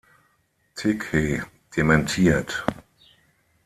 Tighe dementiert.